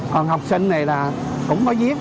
còn học sinh này là cũng có viết